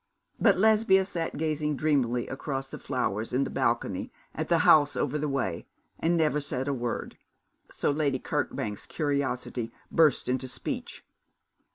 But Lesbia sat gazing dreamily across the flowers in the balcony at the house over the way, and said never a word; so Lady Kirkbank's curiosity burst into speech.